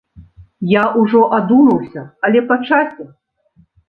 Я ўжо адумаўся, але па часе.